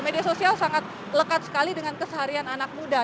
media sosial sangat lekat sekali dengan keseharian anak muda